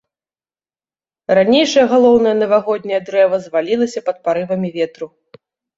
Ранейшае галоўнае навагодняе дрэва звалілася пад парывамі ветру.